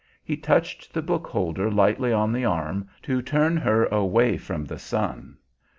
He touched the book holder lightly on the arm, to turn her away from the sun.